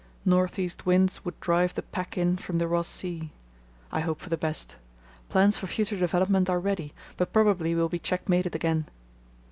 North east winds would drive the pack in from the Ross Sea. I hope for the best. Plans for future development are ready, but probably will be checkmated again....